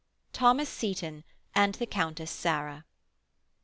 THOMAS SEYTON AND THE COUNTESS SARAH.